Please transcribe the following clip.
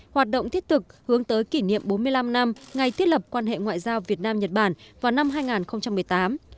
hoạt động thiết thực hướng tới kỷ niệm bốn mươi năm năm ngày thiết lập quan hệ ngoại giao việt nam nhật bản vào năm hai nghìn một mươi tám